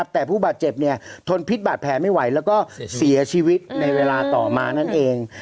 แต่ผู้บาดเจ็บทนพิษบาดแผลไม่ไหวแล้วก็เสียชีวิตในเวลาต่อมานั่นเอง